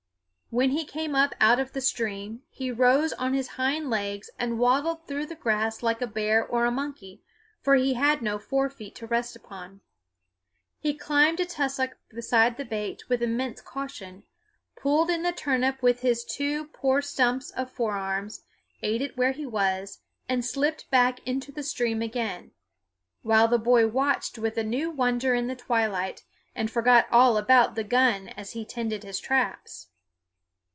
When he came up out of the stream he rose on his hind legs and waddled through the grass like a bear or a monkey, for he had no fore feet to rest upon. He climbed a tussock beside the bait with immense caution, pulled in the turnip with his two poor stumps of forearms, ate it where he was, and slipped back into the stream again; while the boy watched with a new wonder in the twilight, and forgot all about the gun as he tended his traps.